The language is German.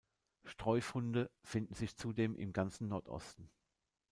Streufunde finden sich zudem im ganzen Nordosten.